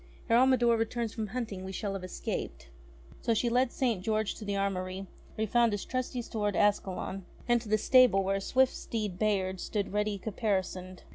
Ere Almidor returns from hunting we shall have escaped." So she led St. George to the armoury, where he found his trusty sword Ascalon, and to the stable, where his swift steed Bayard stood ready caparisoned.